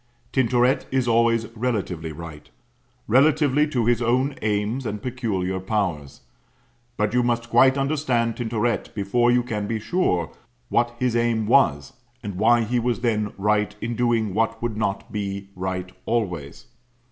Tintoret is always relatively Right relatively to his own aims and peculiar powers. But you must quite understand Tintoret before you can be sure what his aim was, and why he was then right in doing what would not be right always.